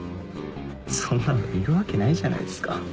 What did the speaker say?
そんなのいるわけないじゃないっすか。